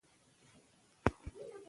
هر سړی د خپل جیب مسوول دی.